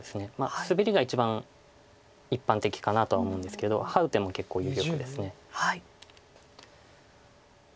スベリが一番一般的かなとは思うんですけどハウ手も結構有力です。